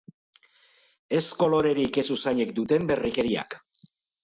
Ez kolorerik ez usainik duten berrikeriak.